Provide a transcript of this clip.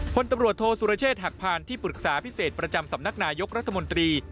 พลตำรวจโทษสุรเชษฐหักพานที่ปรึกษาพิเศษประจำสำนักนายกรัฐมนตรี